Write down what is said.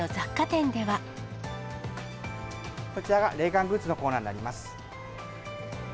こちらが冷感グッズのコーナーになります。